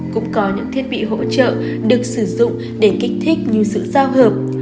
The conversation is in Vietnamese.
cũng có những thiết bị hỗ trợ được sử dụng để kích thích như sự giao hợp